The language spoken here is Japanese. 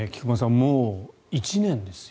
もう１年ですよ。